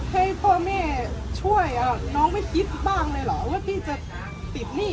ให้พ่อแม่ช่วยน้องไม่คิดบ้างเลยเหรอว่าพี่จะติดหนี้